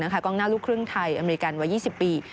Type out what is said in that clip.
กล้องหน้าลูกครึ่งไทยอเมริกันวัย๒๐ปี